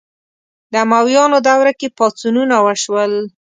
د امویانو دوره کې پاڅونونه وشول